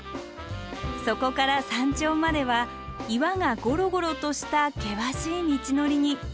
そこから山頂までは岩がゴロゴロとした険しい道のりに。